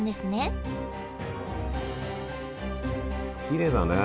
きれいだね。